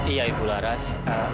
iya ibu laras